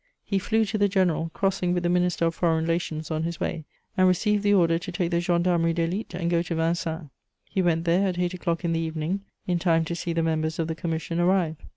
He flew to the general, crossing with the Minister of Foreign Relations on his way, and received the order to take the Gendarmerie d'Élite and go to Vincennes. He went there at eight o'clock in the evening, in time to see the members of the commission arrive.